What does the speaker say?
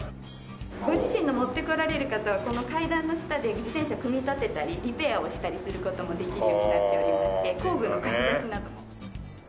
ご自身のを持ってこられる方はこの階段の下で自転車組み立てたりリペアをしたりする事もできるようになっておりまして工具の貸し出しなども。